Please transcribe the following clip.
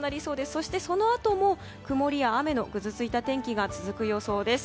そしてそのあとも曇りや雨のぐずついた天気が続く予想です。